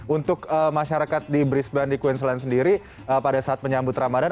untuk masyarakat di brisbane di queensland sendiri pada saat menyambut ramadan